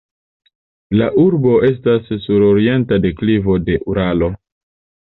La urbo estas sur orienta deklivo de Uralo.